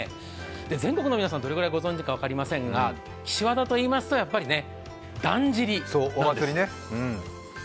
全国の皆さんどれくらいご存じか分かりませんが岸和田といいますとやっぱりだんじりなんです。